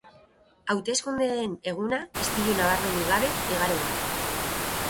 Hauteskundeen eguna istilu nabarmenik gabe igaro da.